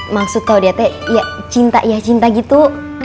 maksud klaudia teh ya cinta ya cinta gitu